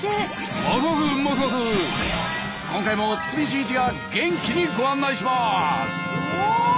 今回も堤真一が元気にご案内します！